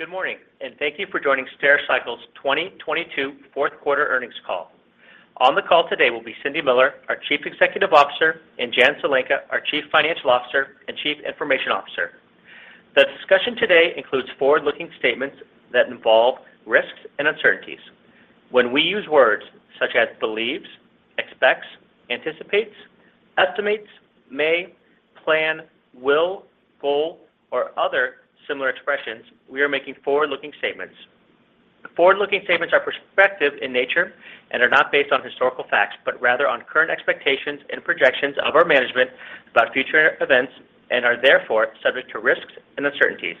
Good morning. Thank you for joining Stericycle's 2022 fourth quarter earnings call. On the call today will be Cindy Miller, our Chief Executive Officer, and Janet Zelenka, our Chief Financial Officer and Chief Information Officer. The discussion today includes forward-looking statements that involve risks and uncertainties. When we use words such as believes, expects, anticipates, estimates, may, plan, will, goal, or other similar expressions, we are making forward-looking statements. Forward-looking statements are prospective in nature and are not based on historical facts, rather on current expectations and projections of our management about future events and are therefore subject to risks and uncertainties.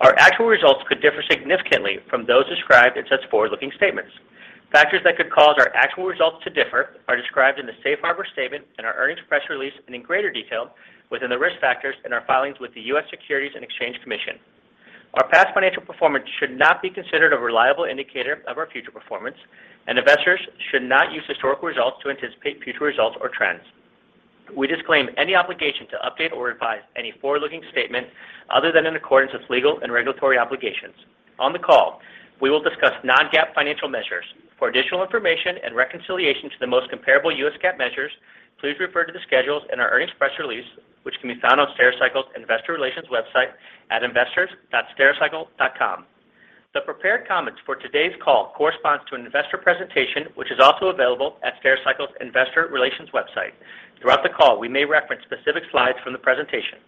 Our actual results could differ significantly from those described in such forward-looking statements. Factors that could cause our actual results to differ are described in the safe harbor statement in our earnings press release and in greater detail within the risk factors in our filings with the U.S. Securities and Exchange Commission. Our past financial performance should not be considered a reliable indicator of our future performance, and investors should not use historical results to anticipate future results or trends. We disclaim any obligation to update or revise any forward-looking statement other than in accordance with legal and regulatory obligations. On the call, we will discuss non-GAAP financial measures. For additional information and reconciliation to the most comparable U.S. GAAP measures, please refer to the schedules in our earnings press release, which can be found on Stericycle's Investor Relations website at investors.stericycle.com. The prepared comments for today's call corresponds to an investor presentation, which is also available at Stericycle's Investor Relations website. Throughout the call, we may reference specific slides from the presentation.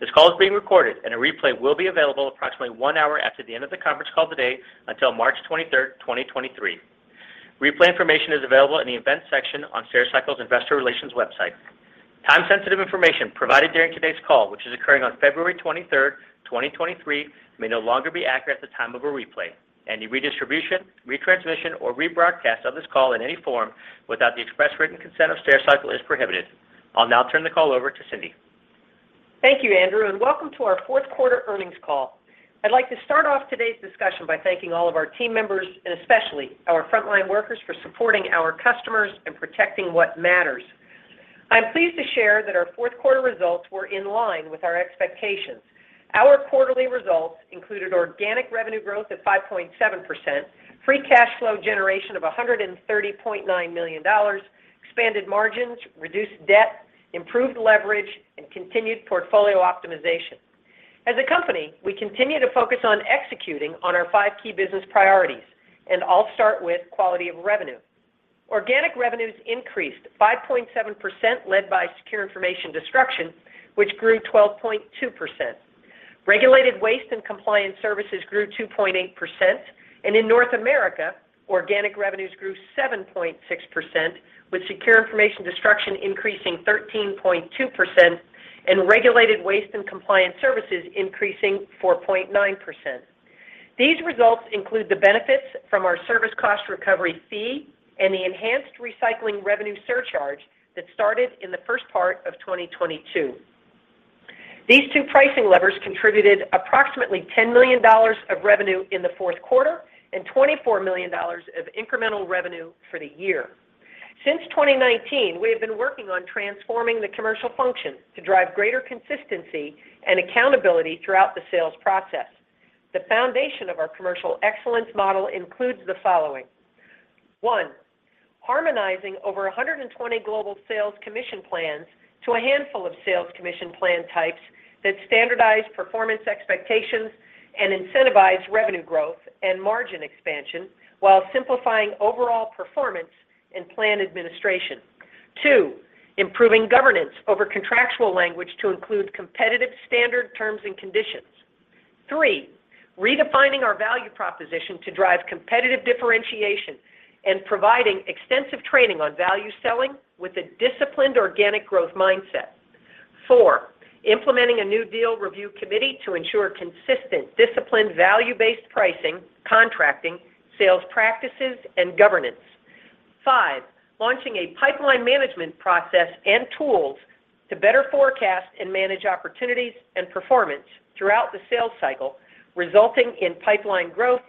This call is being recorded, and a replay will be available approximately one hour after the end of the conference call today until March 23rd, 2023. Replay information is available in the Events section on Stericycle's Investor Relations website. Time-sensitive information provided during today's call, which is occurring on February 23rd, 2023, may no longer be accurate at the time of a replay. Any redistribution, retransmission, or rebroadcast of this call in any form without the express written consent of Stericycle is prohibited. I'll now turn the call over to Cindy. Thank you, Andrew. Welcome to our fourth quarter earnings call. I'd like to start off today's discussion by thanking all of our team members and especially our frontline workers for supporting our customers and protecting what matters. I'm pleased to share that our fourth quarter results were in line with our expectations. Our quarterly results included organic revenue growth at 5.7%, free cash flow generation of $130.9 million, expanded margins, reduced debt, improved leverage, and continued portfolio optimization. As a company, we continue to focus on executing on our five key business priorities, and I'll start with quality of revenue. Organic revenues increased 5.7% led by Secure Information Destruction, which grew 12.2%. Regulated Waste and Compliance Services grew 2.8%. In North America, organic revenues grew 7.6%, with Secure Information Destruction increasing 13.2% and Regulated Waste and Compliance Services increasing 4.9%. These results include the benefits from our Service Cost Recovery Fee and the enhanced Recycling Recovery Surcharge that started in the first part of 2022. These two pricing levers contributed approximately $10 million of revenue in the fourth quarter and $24 million of incremental revenue for the year. Since 2019, we have been working on transforming the commercial function to drive greater consistency and accountability throughout the sales process. The foundation of our commercial excellence model includes the following. One, harmonizing over 120 global sales commission plans to a handful of sales commission plan types that standardize performance expectations and incentivize revenue growth and margin expansion while simplifying overall performance and plan administration. Two, improving governance over contractual language to include competitive standard terms and conditions. Three, redefining our value proposition to drive competitive differentiation and providing extensive training on value selling with a disciplined organic growth mindset. Four, implementing a new deal review committee to ensure consistent, disciplined, value-based pricing, contracting, sales practices, and governance. Five, launching a pipeline management process and tools to better forecast and manage opportunities and performance throughout the sales cycle, resulting in pipeline growth,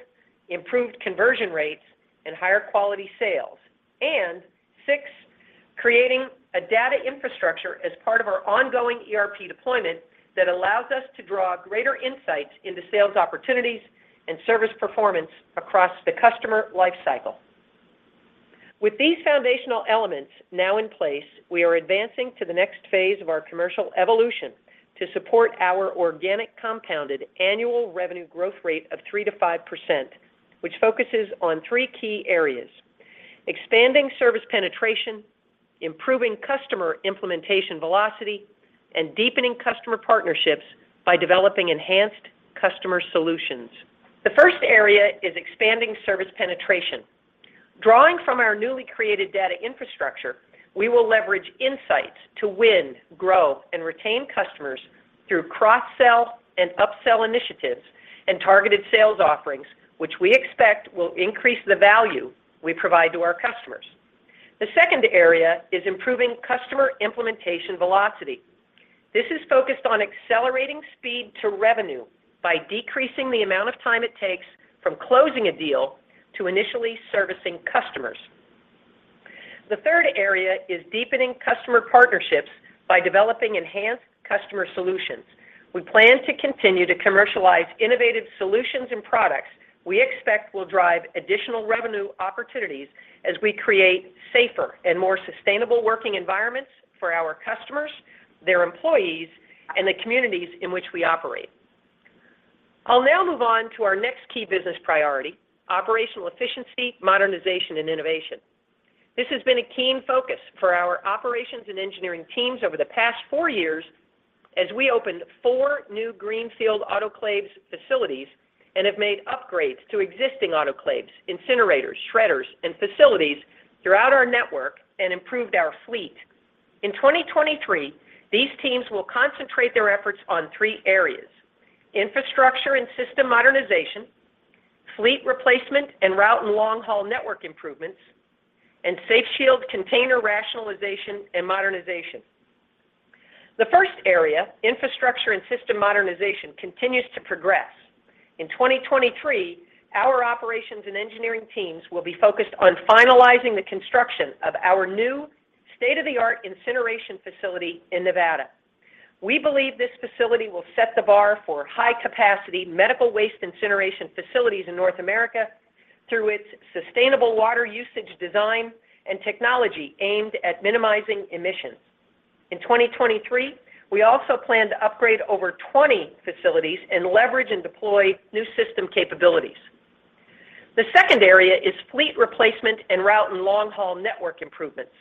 improved conversion rates, and higher quality sales. Six, creating a data infrastructure as part of our ongoing ERP deployment that allows us to draw greater insights into sales opportunities and service performance across the customer life cycle. With these foundational elements now in place, we are advancing to the next phase of our commercial evolution to support our organic compounded annual revenue growth rate of 3%-5%, which focuses on three key areas. Expanding service penetration, improving customer implementation velocity, and deepening customer partnerships by developing enhanced customer solutions. The first area is expanding service penetration. Drawing from our newly created data infrastructure, we will leverage insights to win, grow, and retain customers through cross-sell and upsell initiatives and targeted sales offerings, which we expect will increase the value we provide to our customers. The second area is improving customer implementation velocity. This is focused on accelerating speed to revenue by decreasing the amount of time it takes from closing a deal to initially servicing customers. The third area is deepening customer partnerships by developing enhanced customer solutions. We plan to continue to commercialize innovative solutions and products we expect will drive additional revenue opportunities as we create safer and more sustainable working environments for our customers, their employees, and the communities in which we operate. I'll now move on to our next key business priority, operational efficiency, modernization, and innovation. This has been a keen focus for our operations and engineering teams over the past four years as we opened four new greenfield autoclaves facilities and have made upgrades to existing autoclaves, incinerators, shredders, and facilities throughout our network and improved our fleet. In 2023, these teams will concentrate their efforts on three areas: infrastructure and system modernization, fleet replacement, and route and long-haul network improvements, and SafeShield container rationalization and modernization. The first area, infrastructure and system modernization, continues to progress. In 2023, our operations and engineering teams will be focused on finalizing the construction of our new state-of-the-art incineration facility in Nevada. We believe this facility will set the bar for high-capacity medical waste incineration facilities in North America through its sustainable water usage design and technology aimed at minimizing emissions. In 2023, we also plan to upgrade over 20 facilities and leverage and deploy new system capabilities. The second area is fleet replacement and route and long-haul network improvements.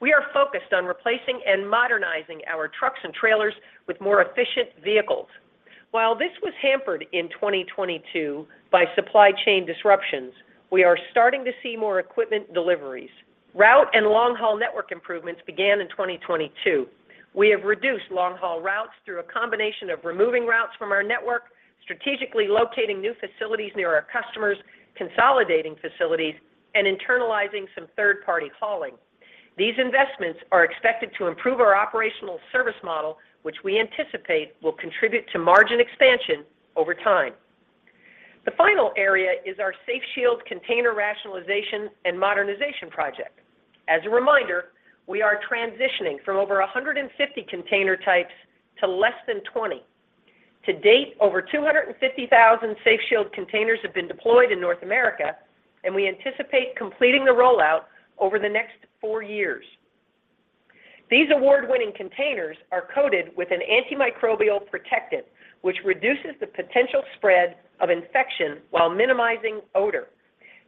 We are focused on replacing and modernizing our trucks and trailers with more efficient vehicles. While this was hampered in 2022 by supply chain disruptions, we are starting to see more equipment deliveries. Route and long-haul network improvements began in 2022. We have reduced long-haul routes through a combination of removing routes from our network, strategically locating new facilities near our customers, consolidating facilities, and internalizing some third-party hauling. These investments are expected to improve our operational service model, which we anticipate will contribute to margin expansion over time. The final area is our SafeShield container rationalization and modernization project. As a reminder, we are transitioning from over 150 container types to less than 20. To date, over 250,000 SafeShield containers have been deployed in North America, and we anticipate completing the rollout over the next four years. These award-winning containers are coated with an antimicrobial protectant, which reduces the potential spread of infection while minimizing odor.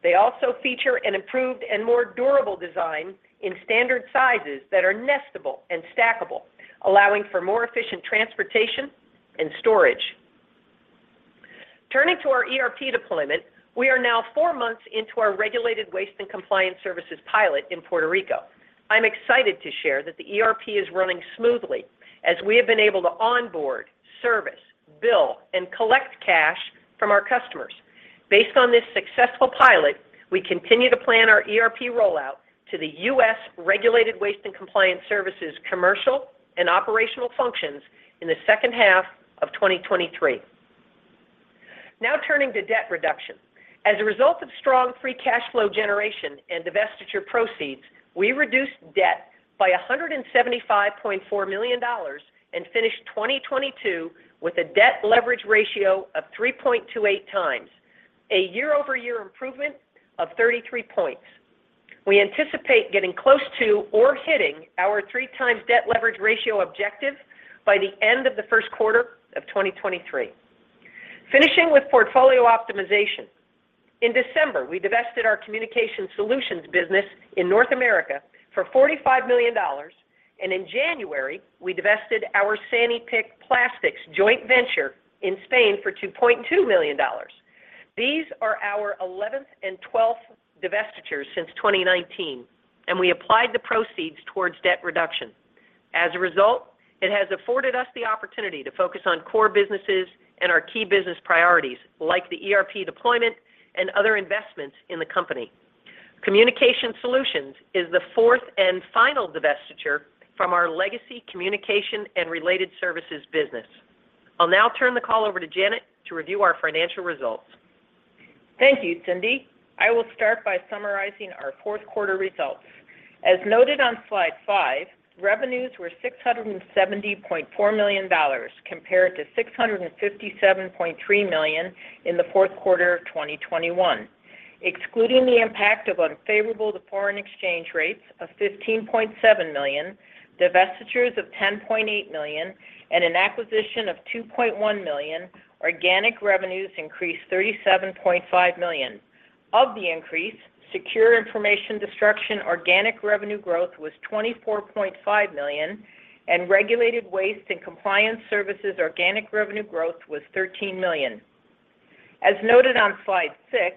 They also feature an improved and more durable design in standard sizes that are nestable and stackable, allowing for more efficient transportation and storage. Turning to our ERP deployment, we are now four months into our Regulated Waste and Compliance Services pilot in Puerto Rico. I'm excited to share that the ERP is running smoothly as we have been able to onboard, service, bill, and collect cash from our customers. Based on this successful pilot, we continue to plan our ERP rollout to the U.S. Regulated Waste and Compliance Services commercial and operational functions in the second half of 2023. Turning to debt reduction. As a result of strong free cash flow generation and divestiture proceeds, we reduced debt by $175.4 million and finished 2022 with a debt leverage ratio of 3.28x, a year-over-year improvement of 33 points. We anticipate getting close to or hitting our 3x debt leverage ratio objective by the end of the first quarter of 2023. Finishing with portfolio optimization. In December, we divested our Communication Solutions business in North America for $45 million. In January, we divested our Sanypick Plastics joint venture in Spain for $2.2 million. These are our 11th and 12th divestitures since 2019. We applied the proceeds towards debt reduction. As a result, it has afforded us the opportunity to focus on core businesses and our key business priorities, like the ERP deployment and other investments in the company. Communication Solutions is the fourth and final divestiture from our legacy communication and related services business. I'll now turn the call over to Janet to review our financial results. Thank you, Cindy. I will start by summarizing our fourth quarter results. As noted on slide five, revenues were $670.4 million compared to $657.3 million in the fourth quarter of 2021. Excluding the impact of unfavorable foreign exchange rates of $15.7 million, divestitures of $10.8 million, and an acquisition of $2.1 million, organic revenues increased $37.5 million. Of the increase, Secure Information Destruction organic revenue growth was $24.5 million, and Regulated Waste and Compliance Services organic revenue growth was $13 million. As noted on slide six,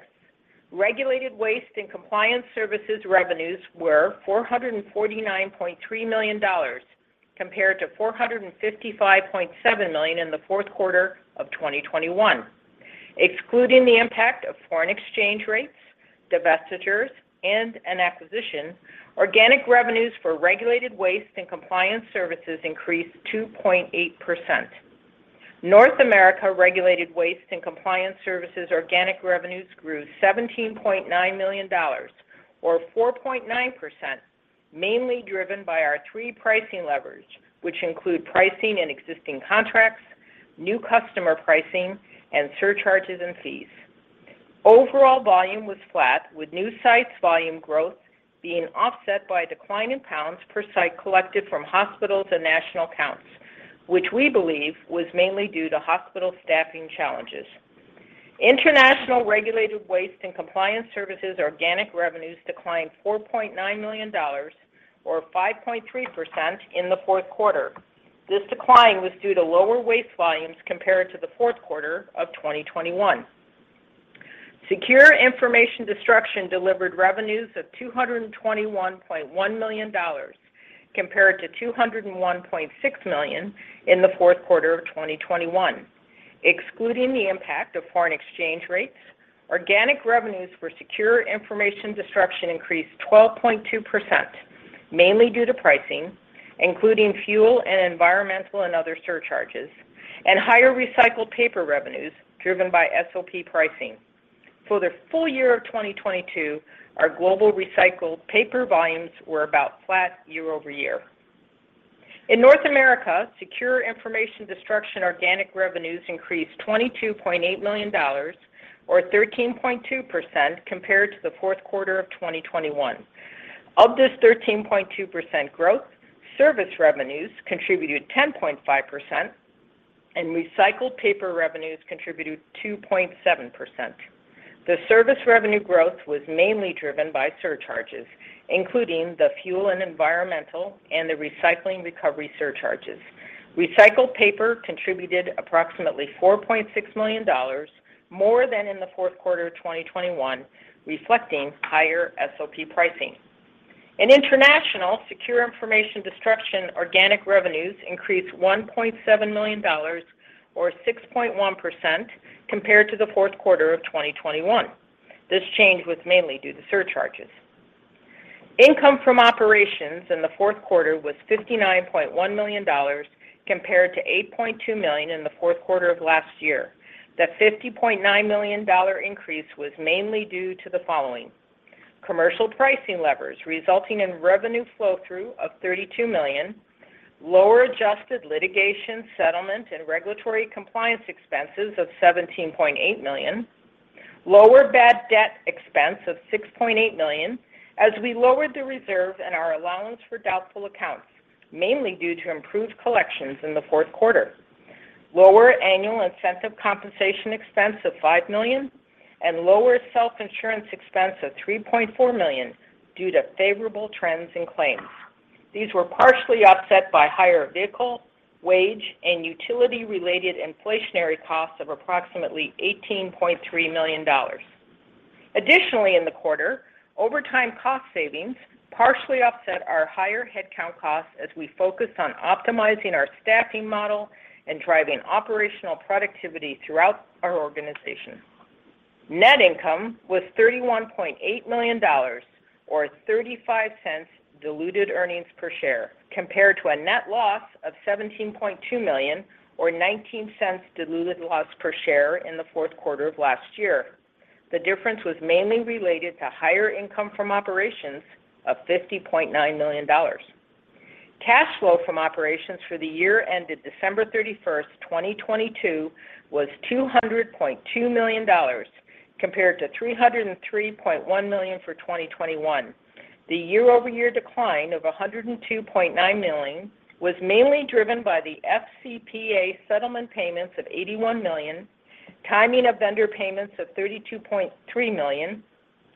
Regulated Waste and Compliance Services revenues were $449.3 million compared to $455.7 million in the fourth quarter of 2021. Excluding the impact of foreign exchange rates, divestitures, and an acquisition, organic revenues for Regulated Waste and Compliance Services increased 2.8%. North America Regulated Waste and Compliance Services organic revenues grew $17.9 million or 4.9%, mainly driven by our three pricing levers, which include pricing and existing contracts, new customer pricing, and surcharges and fees. Overall volume was flat, with new sites volume growth being offset by a decline in pounds per site collected from hospitals and national accounts, which we believe was mainly due to hospital staffing challenges. International Regulated Waste and Compliance Services organic revenues declined $4.9 million or 5.3% in the fourth quarter. This decline was due to lower waste volumes compared to the fourth quarter of 2021. Secure Information Destruction delivered revenues of $221.1 million compared to $201.6 million in the fourth quarter of 2021. Excluding the impact of foreign exchange rates, organic revenues for Secure Information Destruction increased 12.2%, mainly due to pricing, Fuel and Environmental and other surcharges, and higher recycled paper revenues driven by SOP pricing. For the full year of 2022, our global recycled paper volumes were about flat year-over-year. In North America, Secure Information Destruction organic revenues increased $22.8 million or 13.2% compared to the fourth quarter of 2021. Of this 13.2% growth, service revenues contributed 10.5% and recycled paper revenues contributed 2.7%. The service revenue growth was mainly driven by surcharges, including the Fuel and Environmental and the Recycling Recovery Surcharges. Recycled paper contributed approximately $4.6 million more than in the fourth quarter of 2021, reflecting higher SOP pricing. In international, Secure Information Destruction organic revenues increased $1.7 million or 6.1% compared to the fourth quarter of 2021. This change was mainly due to surcharges. Income from operations in the fourth quarter was $59.1 million compared to $8.2 million in the fourth quarter of last year. That $50.9 million increase was mainly due to the following: Commercial pricing levers resulting in revenue flow-through of $32 million, lower adjusted litigation settlement and regulatory compliance expenses of $17.8 million, lower bad debt expense of $6.8 million as we lowered the reserve and our allowance for doubtful accounts, mainly due to improved collections in the fourth quarter. Lower annual incentive compensation expense of $5 million and lower self-insurance expense of $3.4 million due to favorable trends in claims. These were partially offset by higher vehicle, wage, and utility-related inflationary costs of approximately $18.3 million. Additionally in the quarter, overtime cost savings partially offset our higher headcount costs as we focused on optimizing our staffing model and driving operational productivity throughout our organization. Net income was $31.8 million or $0.35 diluted earnings per share compared to a net loss of $17.2 million or $0.19 diluted loss per share in the fourth quarter of last year. The difference was mainly related to higher income from operations of $50.9 million. Cash flow from operations for the year ended December 31, 2022 was $200.2 million compared to $303.1 million for 2021. The year-over-year decline of $102.9 million was mainly driven by the FCPA settlement payments of $81 million, timing of vendor payments of $32.3 million,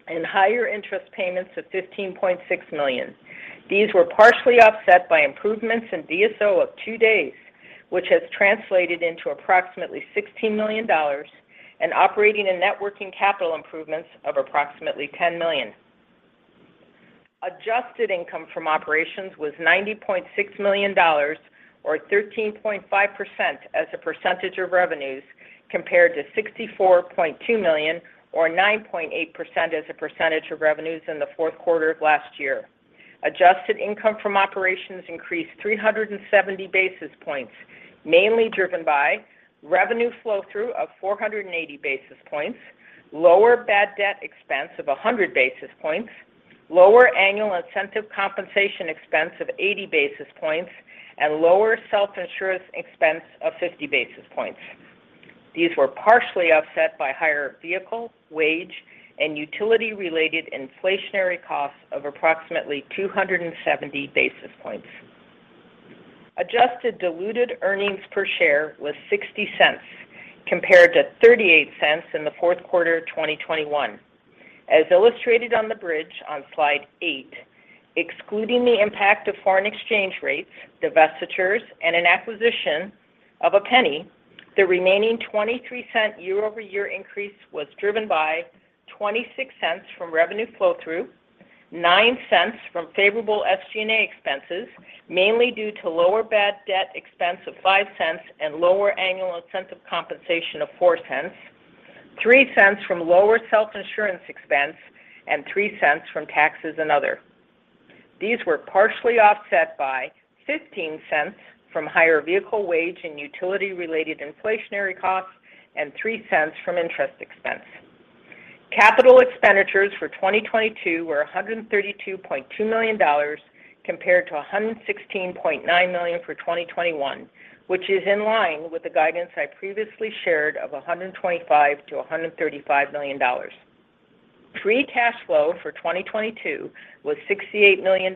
and higher interest payments of $15.6 million. These were partially offset by improvements in DSO of two days, which has translated into approximately $16 million and operating and networking capital improvements of approximately $10 million. Adjusted income from operations was $90.6 million or 13.5% as a percentage of revenues compared to $64.2 million or 9.8% as a percentage of revenues in the fourth quarter of last year. Adjusted income from operations increased 370 basis points, mainly driven by revenue flow-through of 480 basis points, lower bad debt expense of 100 basis points, lower annual incentive compensation expense of 80 basis points, and lower self-insurance expense of 50 basis points. These were partially offset by higher vehicle, wage, and utility-related inflationary costs of approximately 270 basis points. Adjusted diluted earnings per share was $0.60 compared to $0.38 in the fourth quarter of 2021. As illustrated on the bridge on slide eight, excluding the impact of foreign exchange rates, divestitures, and an acquisition of $0.01, the remaining $0.23 year-over-year increase was driven by $0.26 from revenue flow-through, $0.09 from favorable SG&A expenses, mainly due to lower bad debt expense of $0.05 and lower annual incentive compensation of $0.04, $0.03 from lower self-insurance expense and $0.03 from taxes and other. These were partially offset by $0.15 from higher vehicle wage and utility-related inflationary costs and $0.03 from interest expense. Capital expenditures for 2022 were $132.2 million compared to $116.9 million for 2021, which is in line with the guidance I previously shared of $125 million-$135 million. Free cash flow for 2022 was $68 million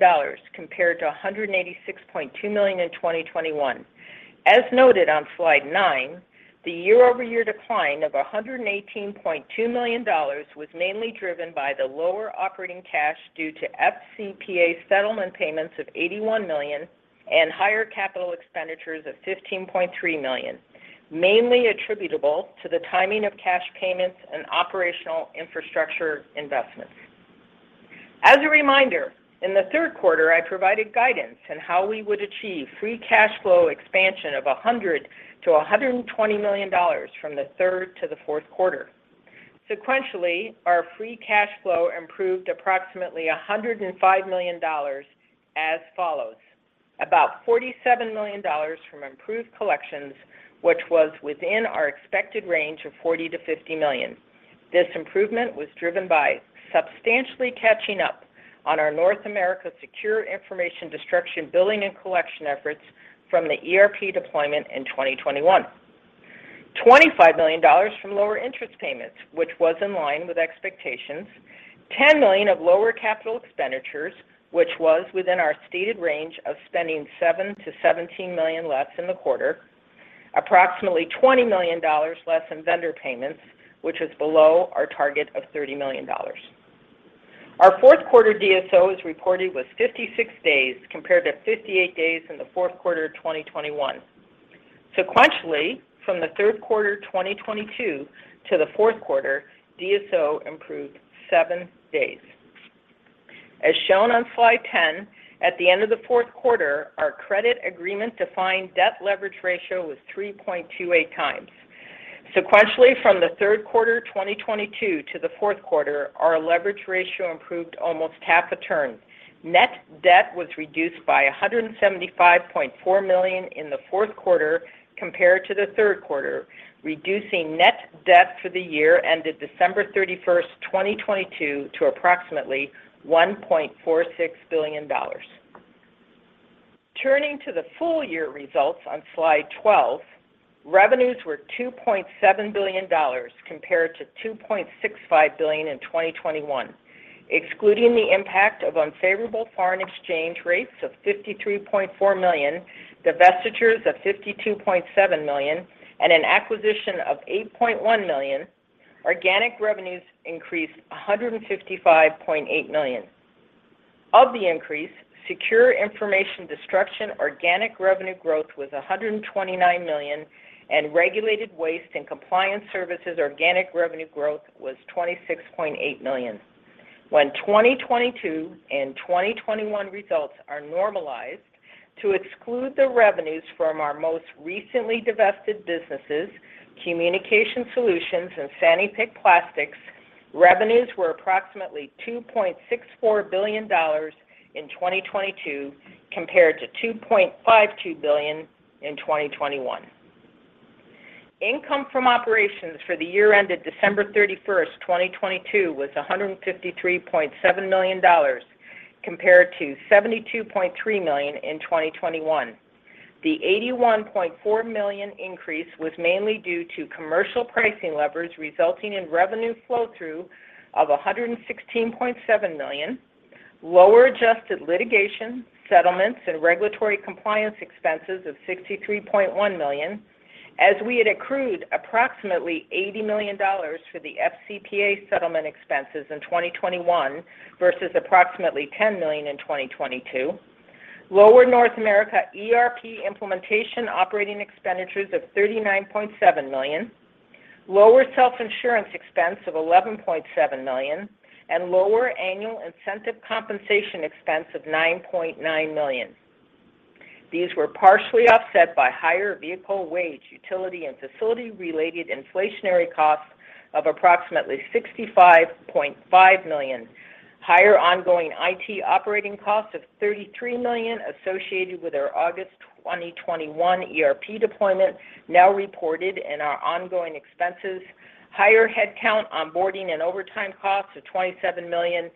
compared to $186.2 million in 2021. As noted on slide nine, the year-over-year decline of $118.2 million was mainly driven by the lower operating cash due to FCPA settlement payments of $81 million and higher capital expenditures of $15.3 million, mainly attributable to the timing of cash payments and operational infrastructure investments. As a reminder, in the third quarter, I provided guidance in how we would achieve free cash flow expansion of $100 million-$120 million from the third to the fourth quarter. Sequentially, our free cash flow improved approximately $105 million as follows: About $47 million from improved collections, which was within our expected range of $40 million-$50 million. This improvement was driven by substantially catching up on our North America Secure Information Destruction billing and collection efforts from the ERP deployment in 2021. $25 million from lower interest payments, which was in line with expectations. $10 million of lower capital expenditures, which was within our stated range of spending $7 million-$17 million less in the quarter. Approximately $20 million less in vendor payments, which is below our target of $30 million. Our fourth quarter DSO, as reported, was 56 days compared to 58 days in the fourth quarter of 2021. Sequentially, from the third quarter 2022 to the fourth quarter, DSO improved seven days. As shown on slide 10, at the end of the fourth quarter, our credit agreement-defined debt leverage ratio was 3.28x. Sequentially, from the third quarter 2022 to the fourth quarter, our leverage ratio improved almost half a turn. Net debt was reduced by $175.4 million in the fourth quarter compared to the third quarter, reducing net debt for the year ended December 31st, 2022 to approximately $1.46 billion. Turning to the full year results on slide 12, revenues were $2.7 billion compared to $2.65 billion in 2021. Excluding the impact of unfavorable foreign exchange rates of $53.4 million, divestitures of $52.7 million, and an acquisition of $8.1 million, organic revenues increased $155.8 million. Of the increase, Secure Information Destruction organic revenue growth was $129 million, and Regulated Waste and Compliance Services organic revenue growth was $26.8 million. When 2022 and 2021 results are normalized to exclude the revenues from our most recently divested businesses, Communication Solutions and Sanypick Plastics, revenues were approximately $2.64 billion in 2022 compared to $2.52 billion in 2021. Income from operations for the year ended December 31st, 2022 was $153.7 million compared to $72.3 million in 2021. The $81.4 million increase was mainly due to commercial pricing leverage resulting in revenue flow-through of $116.7 million, lower adjusted litigation settlements and regulatory compliance expenses of $63.1 million, as we had accrued approximately $80 million for the FCPA settlement expenses in 2021 versus approximately $10 million in 2022. Lower North America ERP implementation operating expenditures of $39.7 million, lower self-insurance expense of $11.7 million, and lower annual incentive compensation expense of $9.9 million. These were partially offset by higher vehicle wage, utility, and facility-related inflationary costs of approximately $65.5 million, higher ongoing IT operating costs of $33 million associated with our August 2021 ERP deployment now reported in our ongoing expenses, higher headcount onboarding and overtime costs of $27 million,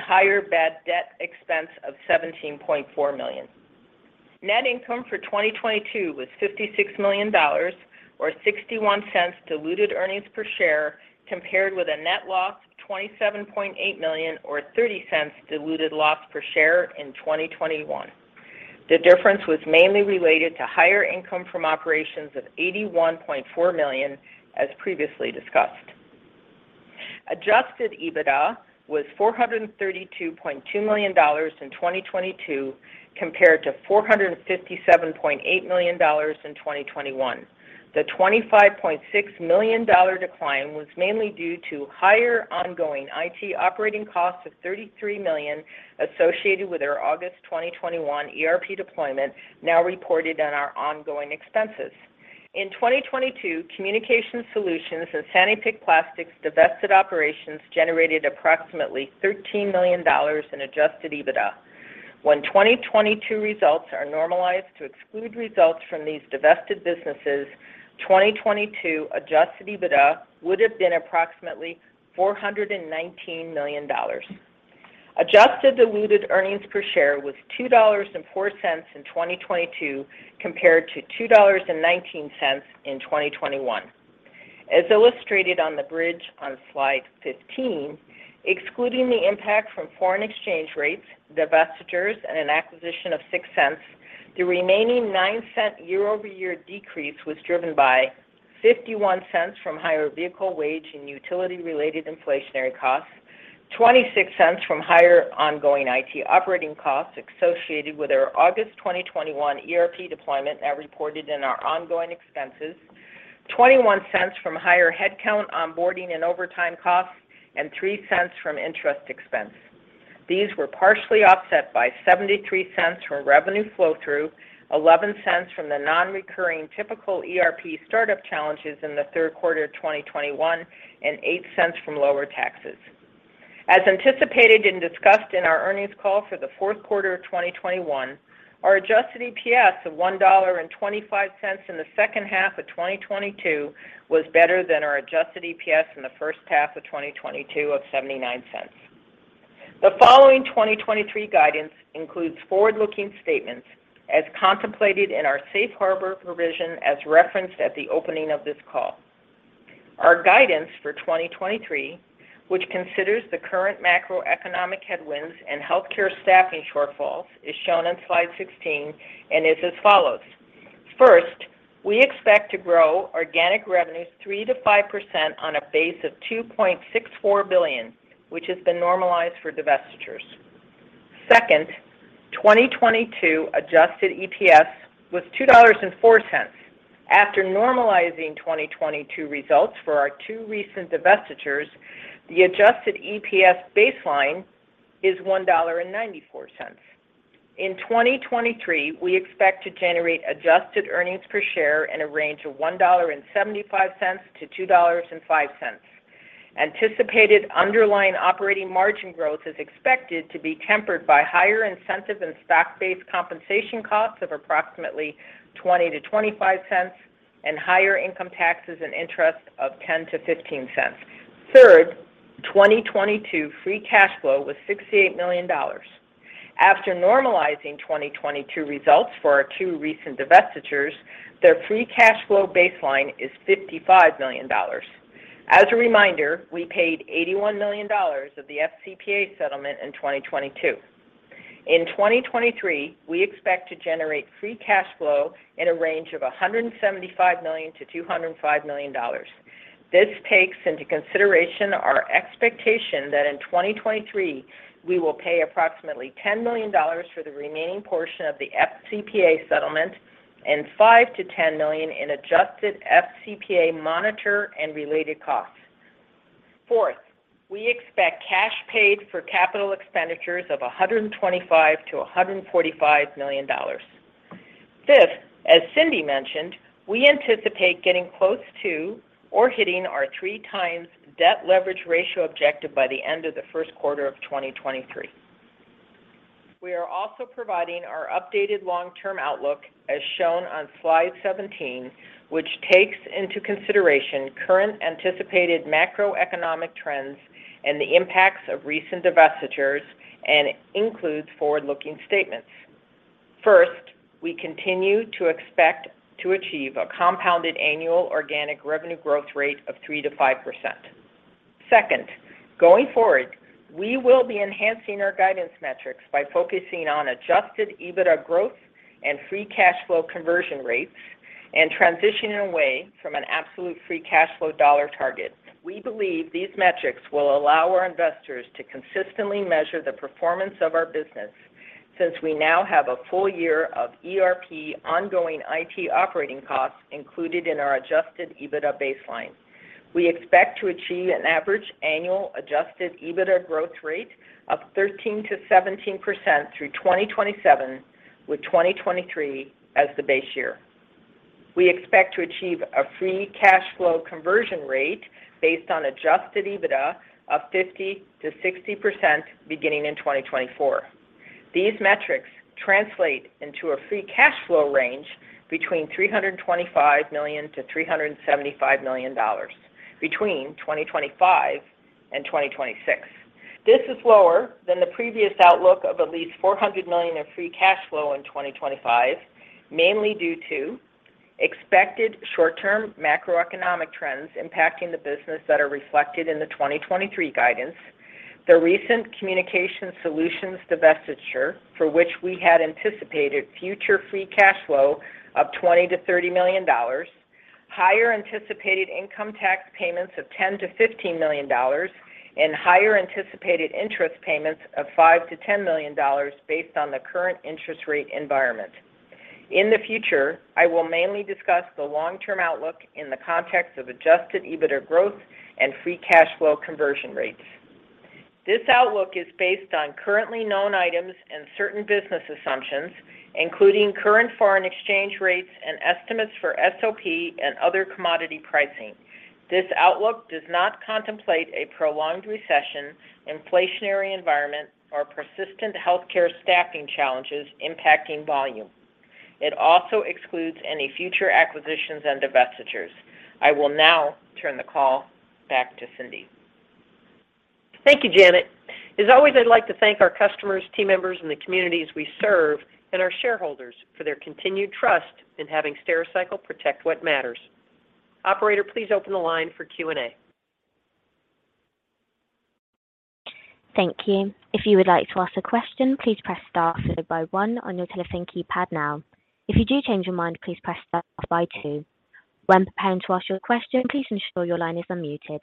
higher bad debt expense of $17.4 million. Net income for 2022 was $56 million or $0.61 diluted earnings per share compared with a net loss of $27.8 million or $0.30 diluted loss per share in 2021. The difference was mainly related to higher income from operations of $81.4 million as previously discussed. Adjusted EBITDA was $432.2 million in 2022 compared to $457.8 million in 2021. The $25.6 million decline was mainly due to higher ongoing IT operating costs of $33 million associated with our August 2021 ERP deployment now reported on our ongoing expenses. In 2022, Communication Solutions and Sanypick Plastics divested operations generated approximately $13 million in adjusted EBITDA. When 2022 results are normalized to exclude results from these divested businesses, 2022 adjusted EBITDA would have been approximately $419 million. Adjusted diluted earnings per share was $2.04 in 2022 compared to $2.19 in 2021. As illustrated on the bridge on slide 15, excluding the impact from foreign exchange rates, divestitures, and an acquisition of $0.06, the remaining $0.09 year-over-year decrease was driven by $0.51 from higher vehicle wage and utility-related inflationary costs, $0.26 from higher ongoing IT operating costs associated with our August 2021 ERP deployment that reported in our ongoing expenses, $0.21 from higher headcount onboarding and overtime costs, and $0.03 from interest expense. These were partially offset by $0.73 from revenue flow-through, $0.11 from the non-recurring typical ERP startup challenges in the third quarter of 2021, and $0.08 from lower taxes. As anticipated and discussed in our earnings call for the fourth quarter of 2021, our adjusted EPS of $1.25 in the second half of 2022 was better than our adjusted EPS in the first half of 2022 of $0.79. The following 2023 guidance includes forward-looking statements as contemplated in our safe harbor provision as referenced at the opening of this call. Our guidance for 2023, which considers the current macroeconomic headwinds and healthcare staffing shortfalls, is shown on slide 16 and is as follows. First, we expect to grow organic revenues 3%-5% on a base of $2.64 billion, which has been normalized for divestitures. Second, 2022 adjusted EPS was $2.04. After normalizing 2022 results for our two recent divestitures, the adjusted EPS baseline is $1.94. In 2023, we expect to generate adjusted earnings per share in a range of $1.75-$2.05. Anticipated underlying operating margin growth is expected to be tempered by higher incentive and stock-based compensation costs of approximately $0.20-$0.25 and higher income taxes and interest of $0.10-$0.15. Third, 2022 free cash flow was $68 million. After normalizing 2022 results for our two recent divestitures, their free cash flow baseline is $55 million. As a reminder, we paid $81 million of the FCPA settlement in 2022. In 2023, we expect to generate free cash flow in a range of $175 million-$205 million. This takes into consideration our expectation that in 2023, we will pay approximately $10 million for the remaining portion of the FCPA settlement and $5 million-$10 million in adjusted FCPA monitor and related costs. Fourth, we expect cash paid for capital expenditures of $125 million-$145 million. Fifth, as Cindy mentioned, we anticipate getting close to or hitting our 3x debt leverage ratio objective by the end of the first quarter of 2023. We are also providing our updated long-term outlook as shown on slide 17, which takes into consideration current anticipated macroeconomic trends and the impacts of recent divestitures and includes forward-looking statements. First, we continue to expect to achieve a compounded annual organic revenue growth rate of 3%-5%. Second, going forward, we will be enhancing our guidance metrics by focusing on adjusted EBITDA growth and free cash flow conversion rates and transitioning away from an absolute free cash flow dollar target. We believe these metrics will allow our investors to consistently measure the performance of our business since we now have a full year of ERP ongoing IT operating costs included in our adjusted EBITDA baseline. We expect to achieve an average annual adjusted EBITDA growth rate of 13%-17% through 2027, with 2023 as the base year. We expect to achieve a free cash flow conversion rate based on adjusted EBITDA of 50%-60% beginning in 2024. These metrics translate into a free cash flow range between $325 million-$375 million between 2025 and 2026. This is lower than the previous outlook of at least $400 million in free cash flow in 2025, mainly due to expected short-term macroeconomic trends impacting the business that are reflected in the 2023 guidance, the recent Communication Solutions divestiture, for which we had anticipated future free cash flow of $20 million-$30 million, higher anticipated income tax payments of $10 million-$15 million, and higher anticipated interest payments of $5 million-$10 million based on the current interest rate environment. In the future, I will mainly discuss the long-term outlook in the context of adjusted EBITDA growth and free cash flow conversion rates. This outlook is based on currently known items and certain business assumptions, including current foreign exchange rates and estimates for SOP and other commodity pricing. This outlook does not contemplate a prolonged recession, inflationary environment, or persistent healthcare staffing challenges impacting volume. It also excludes any future acquisitions and divestitures. I will now turn the call back to Cindy. Thank you, Janet. As always, I'd like to thank our customers, team members, and the communities we serve, and our shareholders for their continued trust in having Stericycle protect what matters. Operator, please open the line for Q&A. Thank you. If you would like to ask a question, please press star followed by one on your telephone keypad now. If you do change your mind, please press star followed by two. When preparing to ask your question, please ensure your line is unmuted.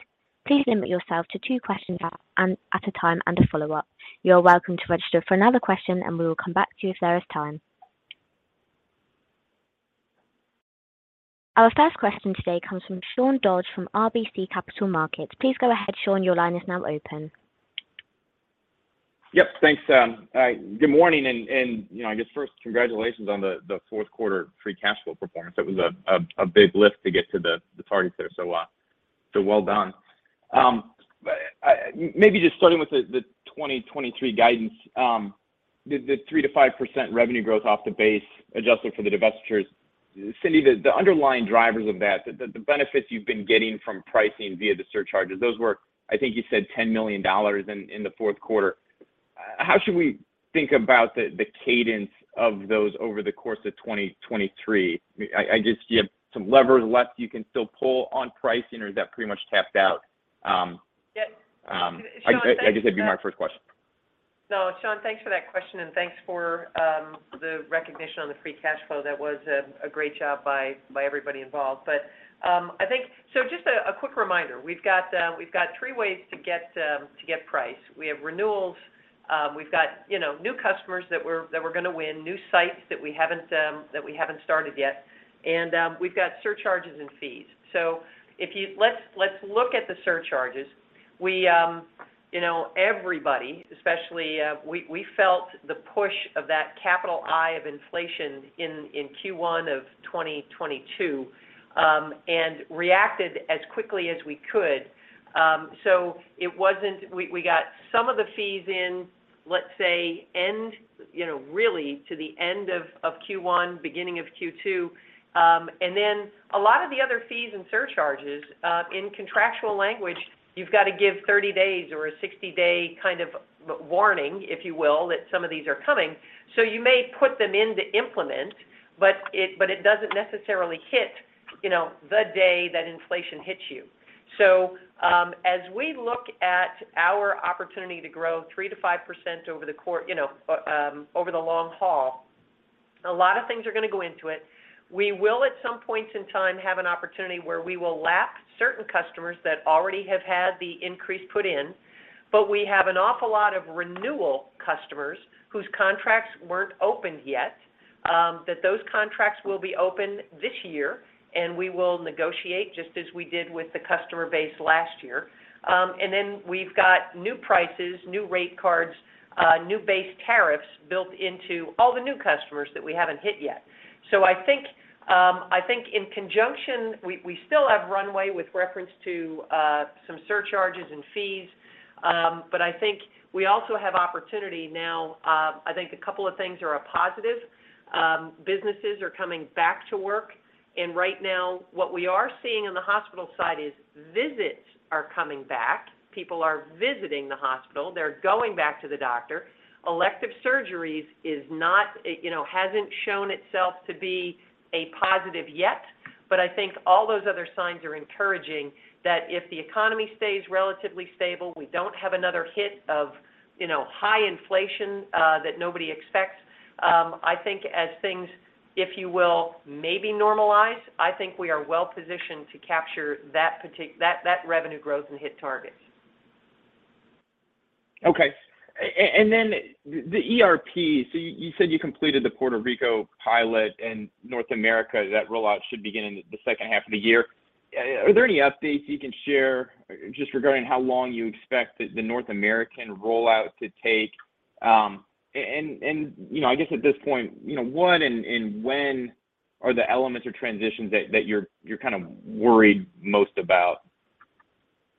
Please limit yourself to two questions at a time and a follow-up. You are welcome to register for another question, and we will come back to you if there is time. Our first question today comes from Sean Dodge from RBC Capital Markets. Please go ahead, Sean. Your line is now open. Yep. Thanks, good morning. You know, I guess first, congratulations on the fourth quarter free cash flow performance. It was a big lift to get to the targets there, so well done. Maybe just starting with the 2023 guidance, the 3%5% revenue growth off the base adjusted for the divestitures. Cindy, the underlying drivers of that, the benefits you've been getting from pricing via the surcharges, those were, I think you said $10 million in the fourth quarter. How should we think about the cadence of those over the course of 2023? I just, do you have some levers left you can still pull on pricing, or is that pretty much tapped out? Yes. Sean, thanks for that. I guess that'd be my first question. No, Sean, thanks for that question, and thanks for the recognition on the free cash flow. That was a great job by everybody involved. I think. Just a quick reminder, we've got three ways to get price. We have renewals, we've got, you know, new customers that we're gonna win, new sites that we haven't started yet, and we've got surcharges and fees. If you. Let's look at the surcharges. We, you know, everybody, especially, we felt the push of that capital 'I' of inflation in Q1 of 2022 and reacted as quickly as we could. It wasn't—we got some of the fees in, let's say, end, you know, really to the end of Q1, beginning of Q2. A lot of the other fees and surcharges, in contractual language, you've got to give 30 days or a 60-day kind of warning, if you will, that some of these are coming. You may put them in to implement, but it doesn't necessarily hit, you know, the day that inflation hits you. As we look at our opportunity to grow 3%-5% over the long haul, a lot of things are gonna go into it. We will, at some point in time, have an opportunity where we will lap certain customers that already have had the increase put in, but we have an awful lot of renewal customers whose contracts weren't opened yet, that those contracts will be open this year, and we will negotiate just as we did with the customer base last year. Then we've got new prices, new rate cards, new base tariffs built into all the new customers that we haven't hit yet. I think, I think in conjunction, we still have runway with reference to some surcharges and fees. I think we also have opportunity now. I think a couple of things are a positive. Businesses are coming back to work, and right now, what we are seeing in the hospital side is visits are coming back. People are visiting the hospital. They're going back to the doctor. Elective surgeries, you know, hasn't shown itself to be a positive yet. I think all those other signs are encouraging that if the economy stays relatively stable, we don't have another hit of, you know, high inflation, that nobody expects, I think as things, if you will, maybe normalize, I think we are well-positioned to capture that revenue growth and hit targets. Okay. The ERP, you said you completed the Puerto Rico pilot and North America, that rollout should begin in the second half of the year. Are there any updates you can share just regarding how long you expect the North American rollout to take? And, you know, I guess at this point, you know, what and when are the elements or transitions that you're kind of worried most about?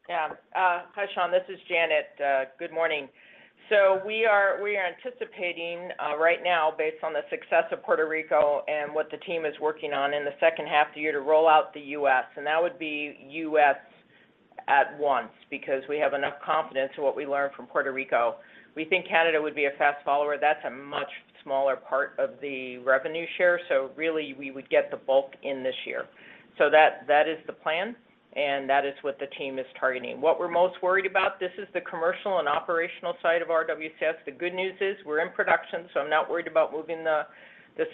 Yeah. Hi, Sean. This is Janet. Good morning. We are anticipating, right now, based on the success of Puerto Rico and what the team is working on in the second half of the year, to roll out the U.S. That would be U.S. at once because we have enough confidence in what we learned from Puerto Rico. We think Canada would be a fast follower. That's a much smaller part of the revenue share. Really, we would get the bulk in this year. That is the plan, and that is what the team is targeting. What we're most worried about, this is the commercial and operational side of RWCS. The good news is we're in production, so I'm not worried about moving the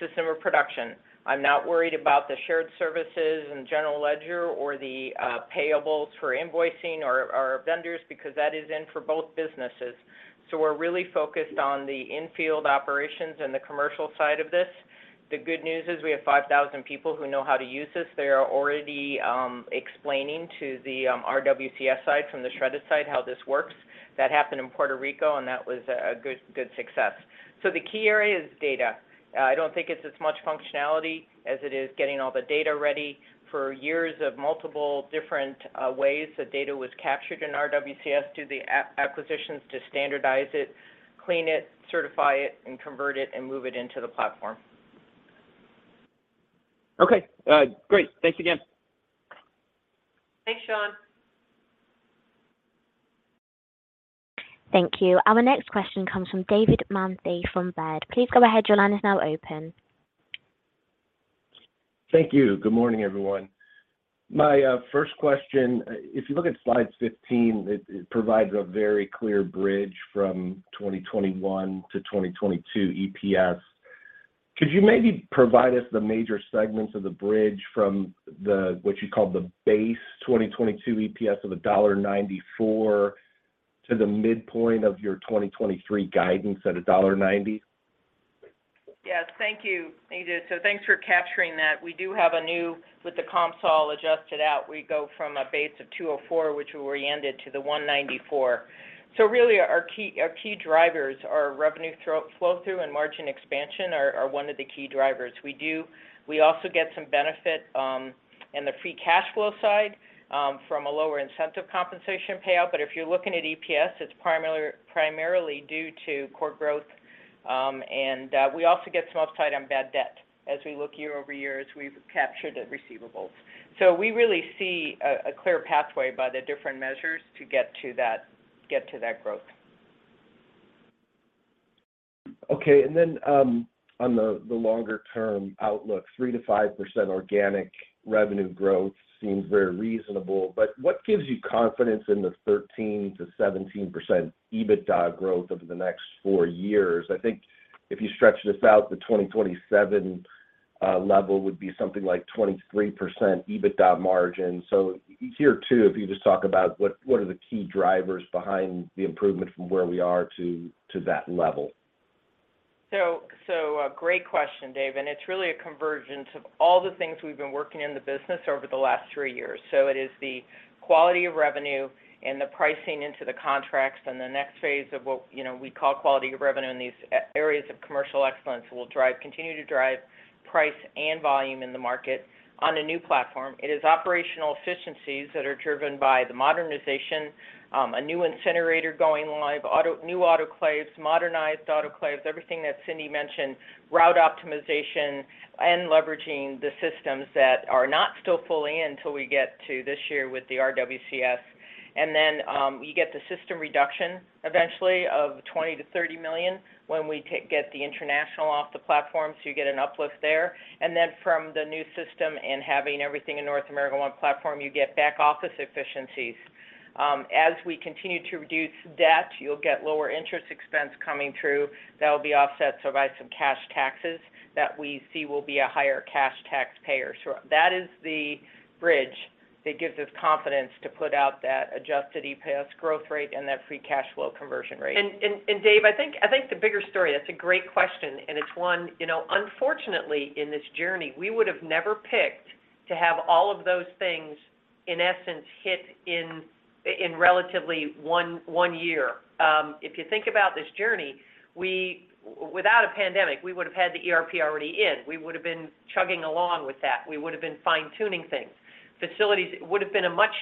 system of production. I'm not worried about the shared services and general ledger or the payables for invoicing or vendors because that is in for both businesses. We're really focused on the in-field operations and the commercial side of this. The good news is we have 5,000 people who know how to use this. They are already explaining to the RWCS side from the Shred-it side how this works. That happened in Puerto Rico, and that was a good success. The key area is data. I don't think it's as much functionality as it is getting all the data ready for years of multiple different ways the data was captured in RWCS, do the acquisitions to standardize it, clean it, certify it, and convert it, and move it into the platform. Okay. great. Thanks again. Thanks, Sean. Thank you. Our next question comes from David Manthey from Baird. Please go ahead. Your line is now open. Thank you. Good morning, everyone. My first question, if you look at slide 15, it provides a very clear bridge from 2021 to 2022 EPS. Could you maybe provide us the major segments of the bridge from what you call the base 2022 EPS of $1.94 to the midpoint of your 2023 guidance at $1.90? Yes, thank you, David. Thanks for capturing that. With the comps all adjusted out, we go from a base of $2.04, which we oriented to the $1.94. Really our key drivers are revenue flow-through and margin expansion are one of the key drivers. We also get some benefit in the free cash flow side from a lower incentive compensation payout. If you're looking at EPS, it's primarily due to core growth, and we also get some upside on bad debt. As we look year-over-year, we've captured the receivables. We really see a clear pathway by the different measures to get to that growth. Okay. On the longer term outlook, 3%-5% organic revenue growth seems very reasonable, but what gives you confidence in the 13%-17% EBITDA growth over the next four years? I think if you stretch this out, the 2027 level would be something like 23% EBITDA margin. Here too, if you just talk about what are the key drivers behind the improvement from where we are to that level. Great question, Dave, and it's really a convergence of all the things we've been working in the business over the last three years. It is the quality of revenue and the pricing into the contracts and the next phase of what, you know, we call quality of revenue in these areas of commercial excellence will continue to drive price and volume in the market on a new platform. It is operational efficiencies that are driven by the modernization, a new incinerator going live, new autoclaves, modernized autoclaves, everything that Cindy mentioned, route optimization, and leveraging the systems that are not still fully in till we get to this year with the RWCS. You get the system reduction eventually of $20 million-$30 million when we get the international off the platform, you get an uplift there. From the new system and having everything in North America one platform, you get back office efficiencies. As we continue to reduce debt, you'll get lower interest expense coming through. That will be offset by some cash taxes that we see will be a higher cash tax payer. That is the bridge that gives us confidence to put out that adjusted EPS growth rate and that free cash flow conversion rate. Dave, I think the bigger story, that's a great question, and it's one, you know, unfortunately in this journey, we would have never picked to have all of those things in essence hit in relatively one year. If you think about this journey, without a pandemic, we would have had the ERP already in. We would have been chugging along with that. We would have been fine-tuning things. Facilities would have been a much,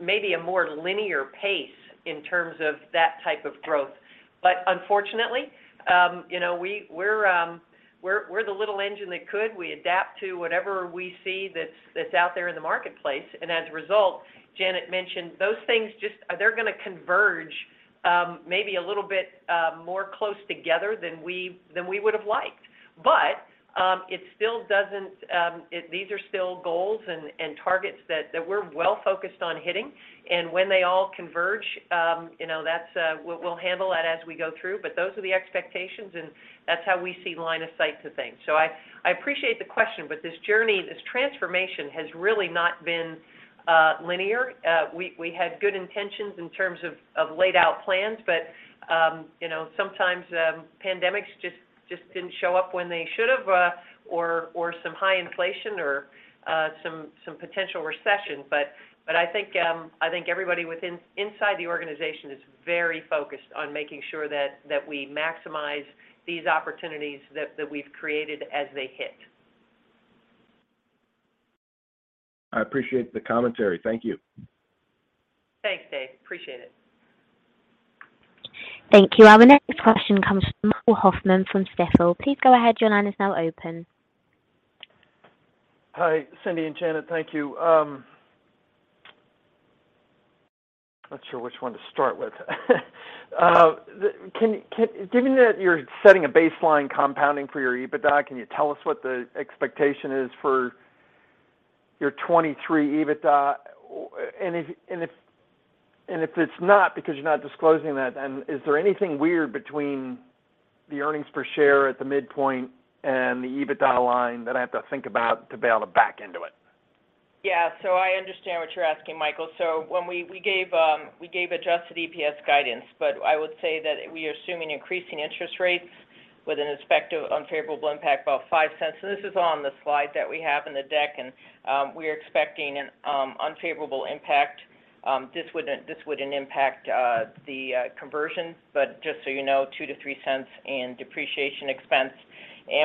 maybe a more linear pace in terms of that type of growth. Unfortunately, you know, we're the little engine that could. We adapt to whatever we see that's out there in the marketplace. As a result, Janet mentioned those things just—they're gonna converge, maybe a little bit more close together than we would have liked. It still doesn't, these are still goals and targets that we're well focused on hitting. When they all converge, you know, that's, we'll handle that as we go through. Those are the expectations, and that's how we see line of sight to things. I appreciate the question, but this journey, this transformation has really not been linear. We had good intentions in terms of laid out plans, but, you know, sometimes pandemics just didn't show up when they should have, or some high inflation or some potential recession. I think everybody inside the organization is very focused on making sure that we maximize these opportunities that we've created as they hit. I appreciate the commentary. Thank you. Thanks, Dave. Appreciate it. Thank you. Our next question comes from Michael Hoffman from Stifel. Please go ahead. Your line is now open. Hi, Cindy and Janet. Thank you. not sure which one to start with? Can given that you're setting a baseline compounding for your EBITDA, can you tell us what the expectation is for your 2023 EBITDA? Or, and if it's not because you're not disclosing that, then is there anything weird between the earnings per share at the midpoint and the EBITDA line that I have to think about to be able to back into it? I understand what you're asking, Michael. When we gave adjusted EPS guidance, I would say that we are assuming increasing interest rates with an expected unfavorable impact about $0.05. This is on the slide that we have in the deck, we are expecting an unfavorable impact. This wouldn't impact the conversion, just so you know, $0.02-$0.03 in depreciation expense.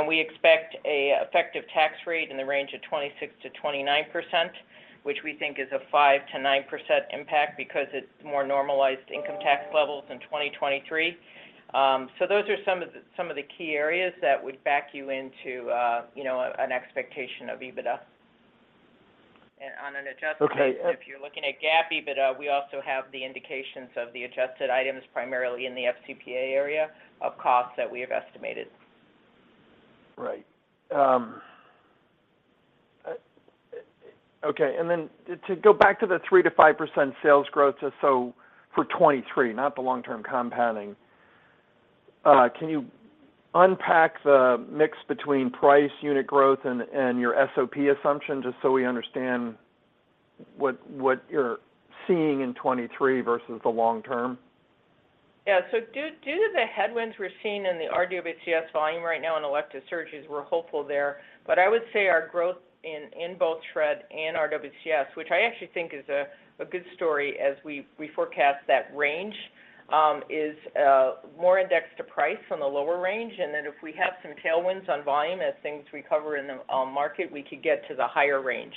We expect a effective tax rate in the range of 26%-29%, which we think is a 5%-9% impact because it's more normalized income tax levels in 2023. Those are some of the key areas that would back you into, you know, an expectation of EBITDA. Okay. If you're looking at GAAP EBITDA, we also have the indications of the adjusted items, primarily in the FCPA area of costs that we have estimated. Right. Okay. To go back to the 3%-5% sales growth, for 2023, not the long-term compounding, can you unpack the mix between price unit growth and your SOP assumption, just so we understand what you're seeing in 2023 versus the long term? Due to the headwinds we're seeing in the RWCS volume right now in elective surgeries, we're hopeful there. I would say our growth in both Shred-it and RWCS, which I actually think is a good story as we forecast that range, is more indexed to price on the lower range. If we have some tailwinds on volume as things recover in the market, we could get to the higher range.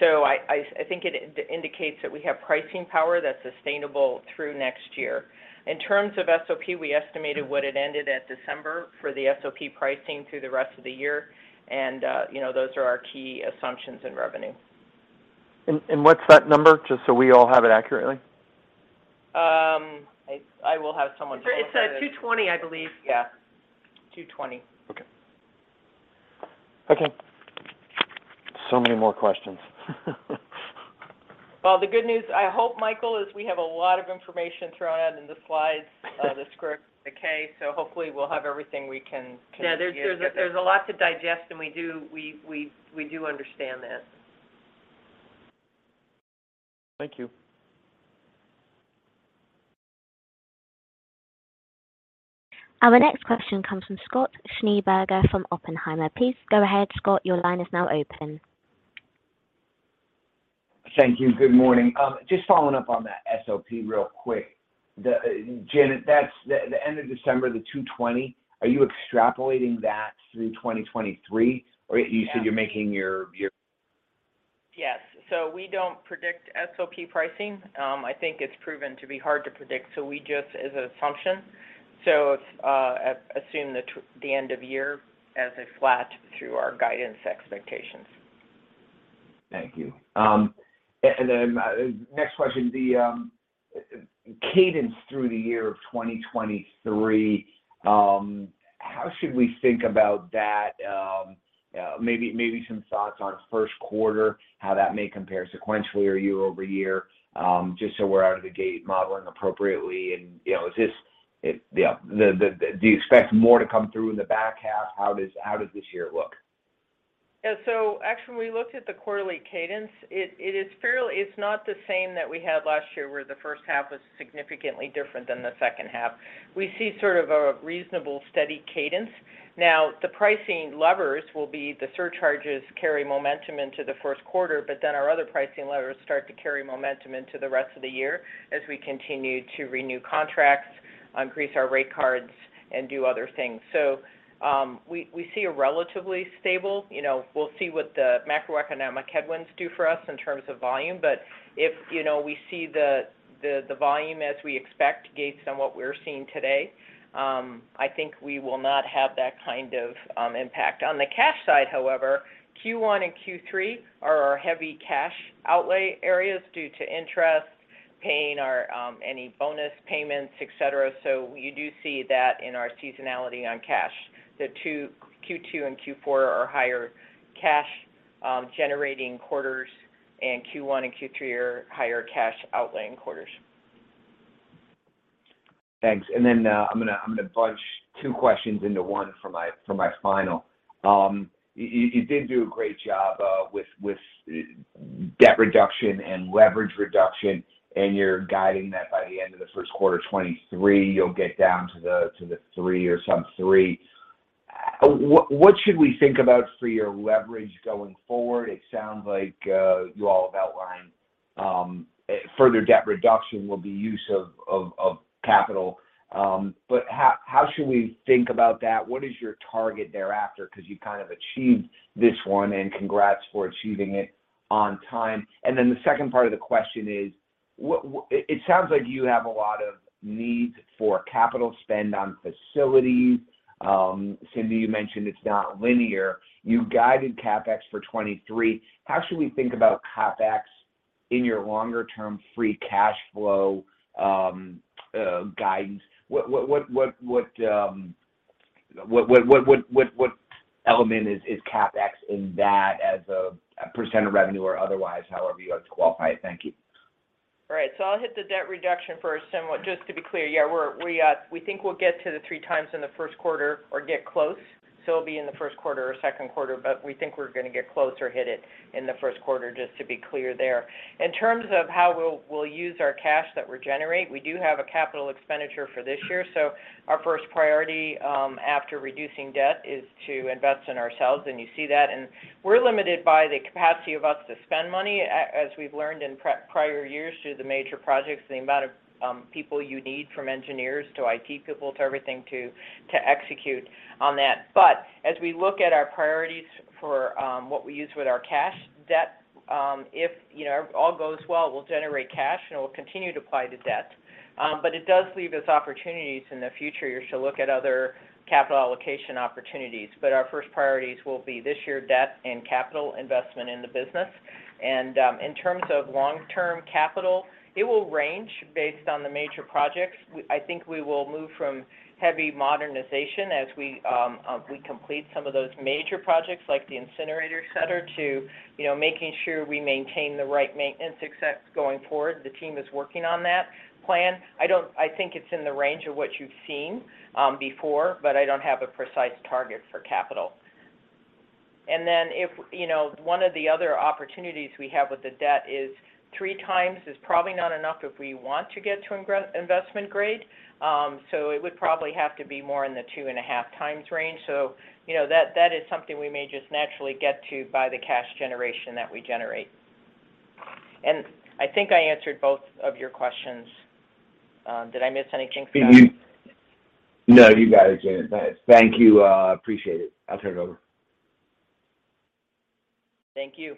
I think it indicates that we have pricing power that's sustainable through next year. In terms of SOP, we estimated what it ended at December for the SOP pricing through the rest of the year. You know, those are our key assumptions in revenue. What's that number, just so we all have it accurately? I will have someone follow this. It's $2.20, I believe. Yeah. $2.20. Okay. Okay. Many more questions. Well, the good news, I hope, Michael, is we have a lot of information thrown out in the slides, the script, the K, so hopefully we'll have everything we can. Yeah. There's a lot to digest. We do understand that. Thank you. Our next question comes from Scott Schneeberger from Oppenheimer. Please go ahead, Scott. Your line is now open. Thank you. Good morning. Just following up on that SOP real quick. Jan, that's the end of December, the 220, are you extrapolating that through 2023? You said you're making your... Yes. We don't predict SOP pricing. I think it's proven to be hard to predict, we just as an assumption. It's assume the end of year as a flat through our guidance expectations. Thank you. Next question. The cadence through the year of 2023, how should we think about that? Maybe some thoughts on first quarter, how that may compare sequentially or year-over-year, just so we're out of the gate modeling appropriately. You know, is this? If, yeah. Do you expect more to come through in the back half? How does this year look? Actually, when we looked at the quarterly cadence, it is fairly. It's not the same that we had last year, where the first half was significantly different than the second half. We see sort of a reasonable steady cadence. The pricing levers will be the surcharges carry momentum into the first quarter, our other pricing levers start to carry momentum into the rest of the year as we continue to renew contracts, increase our rate cards, and do other things. We see a relatively stable. You know, we'll see what the macroeconomic headwinds do for us in terms of volume. If, you know, we see the volume as we expect based on what we're seeing today, I think we will not have that kind of impact. On the cash side, however, Q1 and Q3 are our heavy cash outlay areas due to interest, paying our any bonus payments, etc. You do see that in our seasonality on cash. The two, Q2 and Q4 are higher cash generating quarters, and Q1 and Q3 are higher cash outlaying quarters. Thanks. I'm gonna bunch two questions into one for my, for my final. You did do a great job with debt reduction and leverage reduction, and you're guiding that by the end of the first quarter of 2023, you'll get down to the 3x or sub-3. What should we think about for your leverage going forward? It sounds like you all have outlined further debt reduction will be use of capital. How should we think about that? What is your target thereafter? Because you kind of achieved this one, and congrats for achieving it on time. The second part of the question is, what it sounds like you have a lot of needs for capital spend on facilities. Cindy, you mentioned it's not linear. You guided CapEx for 2023. How should we think about CapEx in your longer term free cash flow, guidance? What element is CapEx in that as a percent of revenue or otherwise, however you want to qualify it? Thank you. All right, so I'll hit the debt reduction first and just to be clear, yeah, we think we'll get to the 3x in the first quarter or get close. It'll be in the first quarter or second quarter, but we think we're gonna get close or hit it in the first quarter, just to be clear there. In terms of how we'll use our cash that we generate, we do have a capital expenditure for this year. Our first priority, after reducing debt is to invest in ourselves, and you see that. We're limited by the capacity of us to spend money, as we've learned in pre-prior years through the major projects, the amount of people you need from engineers to IT people to everything to execute on that. As we look at our priorities for what we use with our cash debt, if, you know, all goes well, we'll generate cash and we'll continue to apply to debt. It does leave us opportunities in the future years to look at other capital allocation opportunities. Our first priorities will be this year debt and capital investment in the business. In terms of long-term capital, it will range based on the major projects. I think we will move from heavy modernization as we complete some of those major projects like the incinerator center to, you know, making sure we maintain the right maintenance success going forward. The team is working on that plan. I think it's in the range of what you've seen before, but I don't have a precise target for capital. If, you know, one of the other opportunities we have with the debt is 3x is probably not enough if we want to get to investment grade. It would probably have to be more in the 2.5x range. You know, that is something we may just naturally get to by the cash generation that we generate. I think I answered both of your questions. Did I miss anything, Scott? No, you got it, Janet. Thank you. Appreciate it. I'll turn it over. Thank you.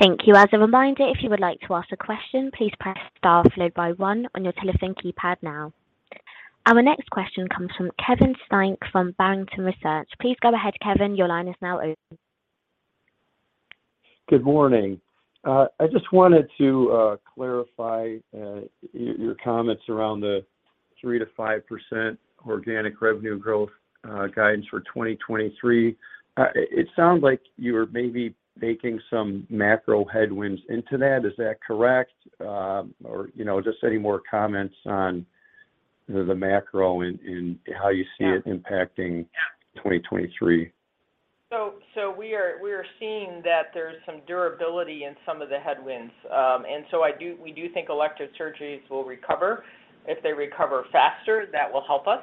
Thank you. As a reminder, if you would like to ask a question, please press star followed by one on your telephone keypad now. Our next question comes from Kevin Steinke from Barrington Research. Please go ahead, Kevin. Your line is now open. Good morning. I just wanted to clarify your comments around the 3%-5% organic revenue growth guidance for 2023. It sounds like you're maybe baking some macro headwinds into that. Is that correct? You know, just any more comments on, you know, the macro and how you see it impacting 2023. We are seeing that there's some durability in some of the headwinds. We do think elective surgeries will recover. If they recover faster, that will help us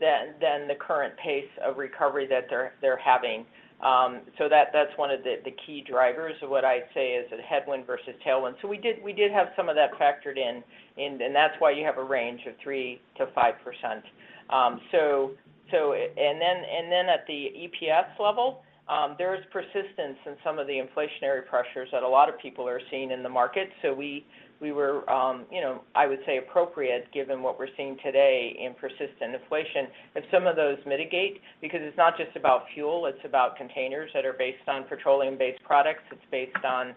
than the current pace of recovery that they're having. That's one of the key drivers of what I'd say is a headwind versus tailwind. We did have some of that factored in and that's why you have a range of 3%-5%. And then at the EPS level, there is persistence in some of the inflationary pressures that a lot of people are seeing in the market. We were, you know, I would say appropriate given what we're seeing today in persistent inflation. If some of those mitigate, because it's not just about fuel, it's about containers that are based on petroleum-based products. It's based on,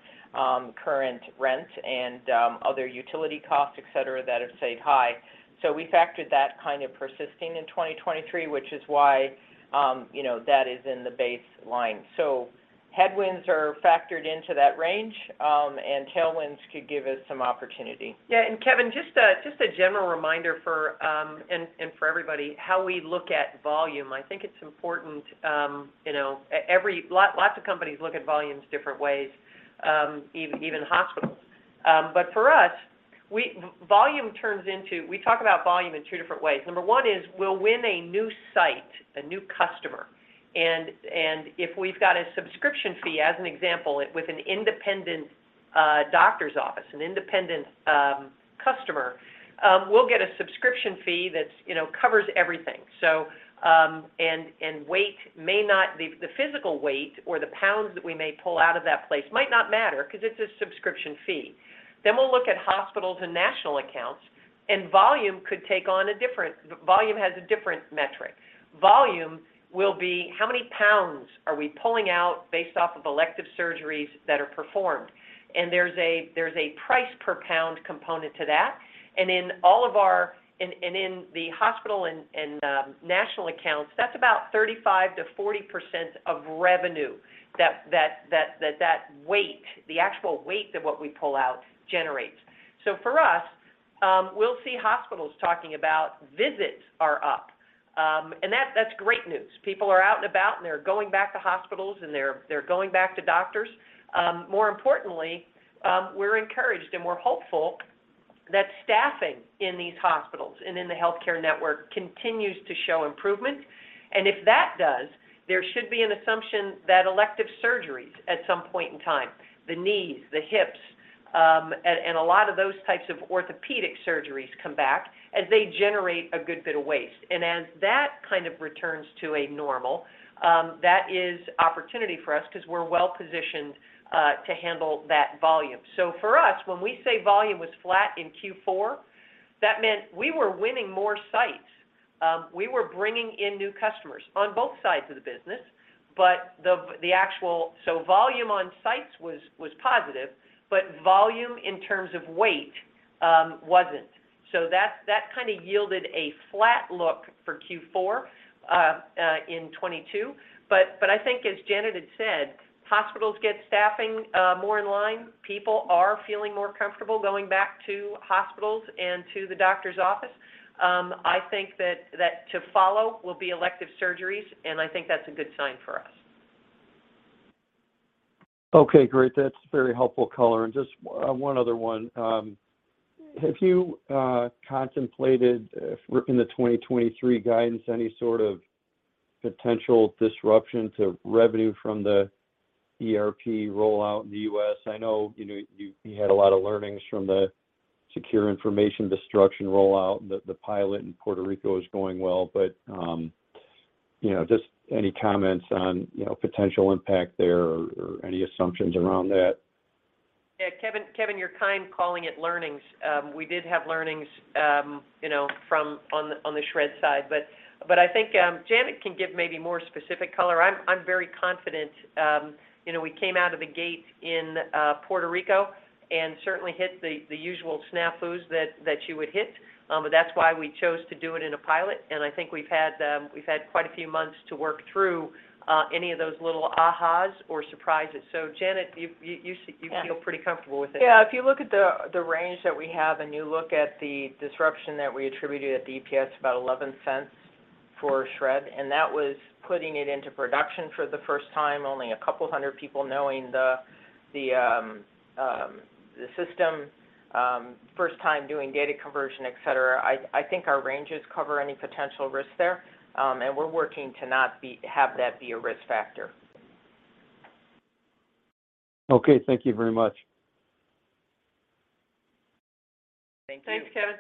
current rent and, other utility costs, et cetera, that have stayed high. We factored that kind of persisting in 2023, which is why, you know, that is in the baseline. Headwinds are factored into that range, and tailwinds could give us some opportunity. Yeah, Kevin, just a general reminder for and for everybody, how we look at volume. I think it's important, you know, lots of companies look at volumes different ways, even hospitals. For us, we talk about volume in two different ways. Number one is we'll win a new site, a new customer, and if we've got a subscription fee, as an example, with an independent doctor's office, an independent customer, we'll get a subscription fee that's, you know, covers everything. And the physical weight or the pounds that we may pull out of that place might not matter because it's a subscription fee. We'll look at hospitals and national accounts, and volume has a different metric. Volume will be how many pounds are we pulling out based off of elective surgeries that are performed. There's a price per pound component to that. In the hospital and national accounts, that's about 35%-40% of revenue that weight, the actual weight of what we pull out generates. For us, we'll see hospitals talking about visits are up, and that's great news. People are out and about, and they're going back to hospitals, and they're going back to doctors. More importantly, we're encouraged, and we're hopeful that staffing in these hospitals and in the healthcare network continues to show improvement. If that does, there should be an assumption that elective surgeries at some point in time, the knees, the hips, and a lot of those types of orthopedic surgeries come back as they generate a good bit of waste. As that kind of returns to a normal, that is opportunity for us because we're well-positioned to handle that volume. For us, when we say volume was flat in Q4, that meant we were winning more sites. We were bringing in new customers on both sides of the business. Volume on sites was positive, but volume in terms of weight wasn't. That kind of yielded a flat look for Q4 in 2022. I think as Janet had said, hospitals get staffing more in line. People are feeling more comfortable going back to hospitals and to the doctor's office. I think that to follow will be elective surgeries, I think that's a good sign for us. Okay, great. That's very helpful color. Just one other one. Have you contemplated if we're in the 2023 guidance, any sort of potential disruption to revenue from the ERP rollout in the U.S.? I know, you know, we had a lot of learnings from the Secure Information Destruction rollout. The pilot in Puerto Rico is going well, but, you know, just any comments on, you know, potential impact there or any assumptions around that? Yeah, Kevin, you're kind calling it learnings. We did have learnings, you know, from on the Shred-it side. I think Janet can give maybe more specific color. I'm very confident, you know, we came out of the gate in Puerto Rico and certainly hit the usual snafus that you would hit. That's why we chose to do it in a pilot, and I think we've had quite a few months to work through any of those little ahhas or surprises. Janet, you feel pretty comfortable with it? Yeah. If you look at the range that we have and you look at the disruption that we attributed at the EPS, about $0.11 for Shred, and that was putting it into production for the first time, only a couple hundred people knowing the system, first time doing data conversion, etc. I think our ranges cover any potential risks there, and we're working to not have that be a risk factor. Okay. Thank you very much. Thank you. Thanks, Kevin.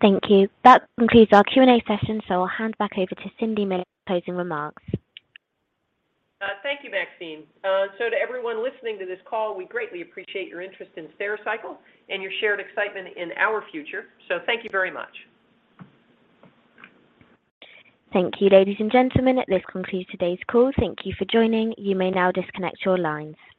Thank you. That concludes our Q&A session, so I'll hand back over to Cindy Miller for closing remarks. Thank you, Maxine. To everyone listening to this call, we greatly appreciate your interest in Stericycle and your shared excitement in our future. Thank you very much. Thank you, ladies and gentlemen. This concludes today's call. Thank you for joining. You may now disconnect your lines.